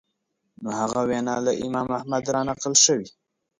نو هغه وینا له امام احمد رانقل شوې